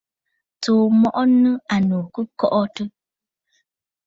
Tsùu mɔʼɔ nɨ̂ ànnù kɨ kɔʼɔtə̂.